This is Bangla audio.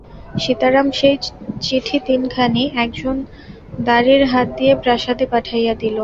সীতারাম সেই চিঠি তিনখানি এক জন দাঁড়ির হাত দিয়া প্রাসাদে পাঠাইয়া দিল।